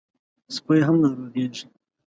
سپي هم ناروغېږي.